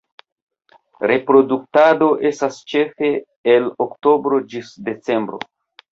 Reproduktado estas ĉefe el Oktobro ĝis Decembro.